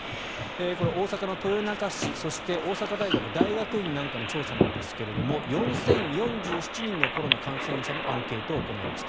大阪の豊中市そして大阪大学大学院なんかの調査なんですが４０４７人のコロナ感染者にアンケートを行いました。